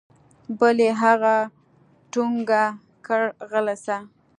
بل يې هغه ټونګه کړ غلى سه.